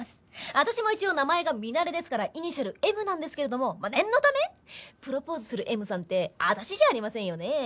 私も一応名前がミナレですからイニシャルＭなんですけれどもまあ念のためプロポーズするＭさんって私じゃありませんよねえ？